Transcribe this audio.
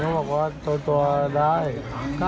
เราก็บอกว่าตัวออกสิจะเอาสิเราเลยอ่ะ